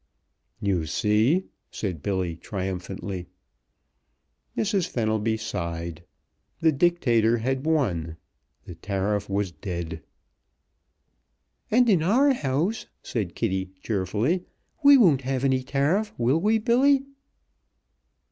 "You see!" said Billy, triumphantly. Mrs. Fenelby sighed. The Dictator had won. The tariff was dead. "And in our house," said Kitty, cheerfully, "we won't have any tariff, will we, Billy?"